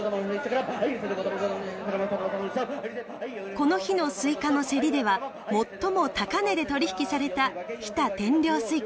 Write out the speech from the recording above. この日のスイカの競りでは最も高値で取引された日田天領スイカ。